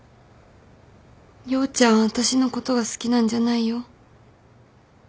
陽ちゃんは私のことが好きなんじゃないよ。